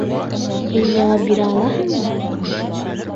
Һин яуап бирә алаһыңмы?